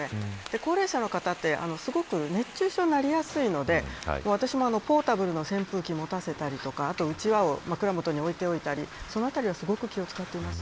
高齢者の方はすごく熱中症になりやすいので私もポータブルの扇風機を持たせたりとかうちわを枕元に置いておいたりそのあたりはすごく気を使っています。